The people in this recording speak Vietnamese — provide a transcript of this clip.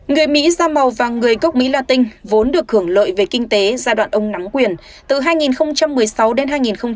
người mỹ da màu và người gốc mỹ latin vốn được hưởng lợi về kinh tế giai đoạn ông nắm quyền từ hai nghìn một mươi sáu đến hai nghìn một mươi chín